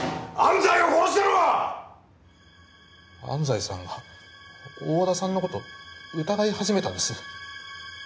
安西さんが大和田さんのこと疑い始めたんです。